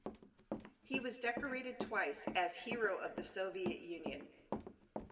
He was decorated twice as Hero of the Soviet Union.